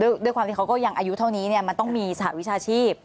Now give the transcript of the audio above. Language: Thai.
ด้วยความที่เขาก็ยังอายุเท่านี้มันต้องมีสหวิชาชีพ